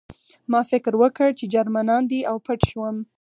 ما فکر وکړ چې جرمنان دي او پټ شوم